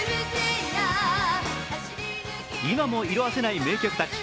今も色あせない名曲たち。